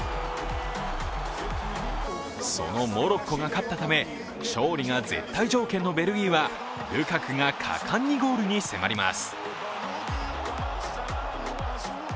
そのモロッコが勝ったため勝利が絶対条件のベルギーはルカクが果敢にゴールに迫ります。